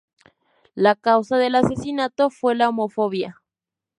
La causa del asesinato fue la homofobia.